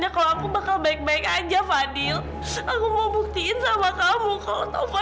kalo tuhan masih hidup